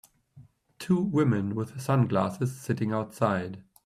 Two women with sunglasses sitting outside.